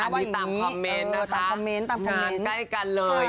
ตามคอมเมนต์นะคะมาใกล้กันเลย